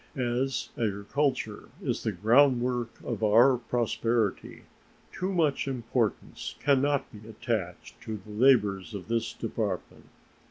As agriculture is the groundwork of our prosperity, too much importance can not be attached to the labors of this Department.